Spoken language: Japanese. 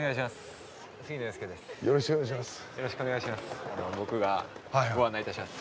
よろしくお願いします。